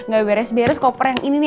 gak beres beres koper yang ini nih